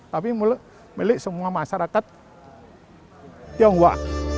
tapi milik semua masyarakat tionghoa